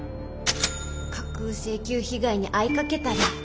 架空請求被害に遭いかけたり。